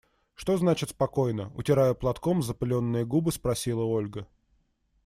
– Что значит «спокойно»? – утирая платком запыленные губы, спросила Ольга.